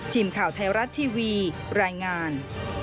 ทีมข่าวไทยรัฐทีวีรายงาน